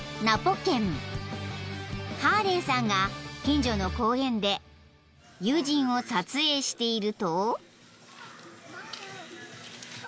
［ハーレーさんが近所の公園で友人を撮影していると］